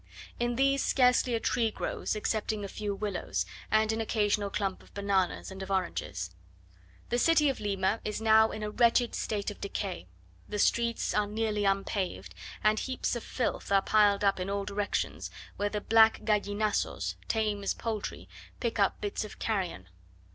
In these scarcely a tree grows excepting a few willows, and an occasional clump of bananas and of oranges. The city of Lima is now in a wretched state of decay: the streets are nearly unpaved; and heaps of filth are piled up in all directions, where the black gallinazos, tame as poultry, pick up bits of carrion.